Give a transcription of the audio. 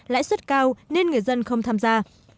lãi suất cao nên người dân không tham gia